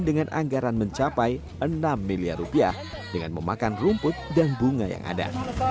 dengan anggaran mencapai enam miliar rupiah dengan memakan rumput dan bunga yang ada